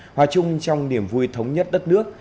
hòa chung trong niềm vui thống nhất đất nước